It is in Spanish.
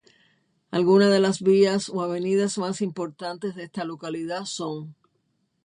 Algunas de las vías o avenidas más importantes de esta localidad son;